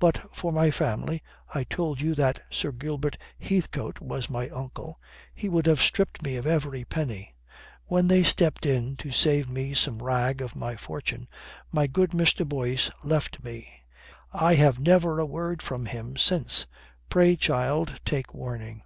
But for my family I told you that Sir Gilbert Heathcote was my uncle he would have stripped me of every penny. When they stepped in to save me some rag of my fortune, my good Mr. Boyce left me. I have never had a word from him since. Pray, child, take warning."